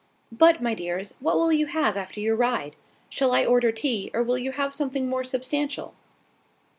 But, my dears, what will you have after your ride? Shall I order tea, or will you have something more substantial?"